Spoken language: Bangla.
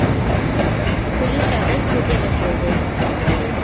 পুলিশ ওদের খুঁজে বের করবে।